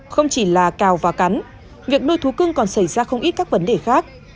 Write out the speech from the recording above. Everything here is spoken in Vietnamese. không chỉ là cào và cắn việc nuôi thú cưng còn xảy ra không ít các vấn đề khác